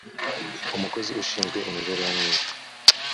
umukozi ushinzwe imibereho myiza